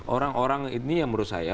orang orang ini yang menurut saya